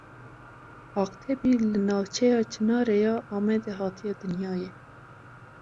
Aqtepî li navçeya Çinarê ya Amedê hatiye dinyayê.